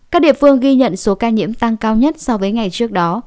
các địa phương ghi nhận số ca nhiễm tăng cao nhất so với ngày trước đó